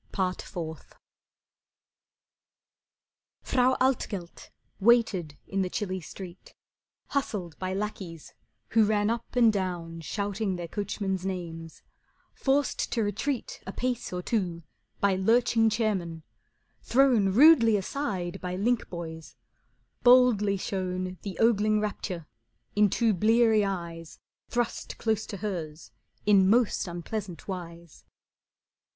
Part Fourth Frau Altgelt waited in the chilly street, Hustled by lackeys who ran up and down Shouting their coachmen's names; forced to retreat A pace or two by lurching chairmen; thrown Rudely aside by linkboys; boldly shown The ogling rapture in two bleary eyes Thrust close to hers in most unpleasant wise.